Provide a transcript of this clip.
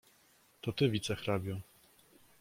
"to ty wicehrabio."